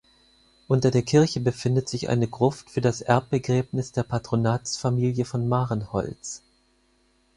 Unter der Kirche befindet sich eine Gruft für das Erbbegräbnis der Patronatsfamilie von Marenholtz.